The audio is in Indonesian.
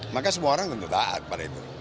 maka semua orang tentu taat pada itu